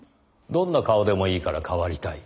どんな顔でもいいから変わりたい。